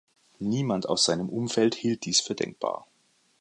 Niemand aus seinem Umfeld hielt dies für denkbar.